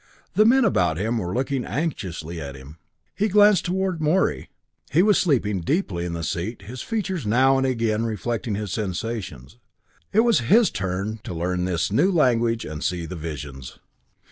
The men about him were looking anxiously at him. He glanced toward Morey. He was sleeping deeply in the seat, his features now and again reflecting his sensations. It was his turn to learn this new language and see the visions.